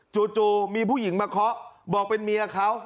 จู่มีผู้หญิงมาเคาะบอกเป็นเมียเขา